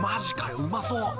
うまそう！